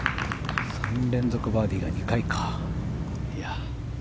３連続バーディーが２回か。